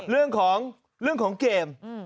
เรื่องของเกม